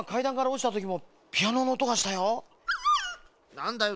なんだよ？